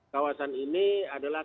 kawasan ini adalah